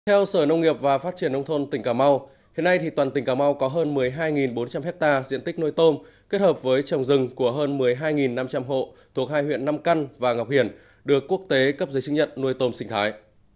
theo sở nông nghiệp và phát triển nông thôn tỉnh cà mau hiện nay toàn tỉnh cà mau có hơn một mươi hai bốn trăm linh hectare diện tích nuôi tôm kết hợp với trồng rừng của hơn một mươi hai năm trăm linh hộ thuộc hai huyện nam căn và ngọc hiển được quốc tế cấp giấy chứng nhận nuôi tôm sinh thái